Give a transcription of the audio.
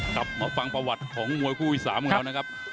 กลับมาฟังประวัติของมวยคู่อีก๓ของเรานะครับ